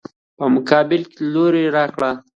په مقابل کې د لور راکړه.